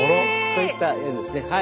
そういった縁ですね。